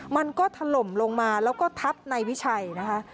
มันก็ถล่มลงมาแล้วก็ทับนายวิชัยนะคะ